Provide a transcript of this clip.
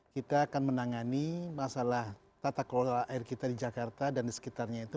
kita akan menangani masalah tata kelola air kita di jakarta dan di sekitarnya itu